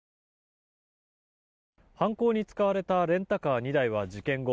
犯行に使われたレンタカー２台は事件後